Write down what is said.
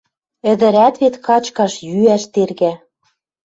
Ӹдӹрӓт вет качкаш, йӱӓш тергӓ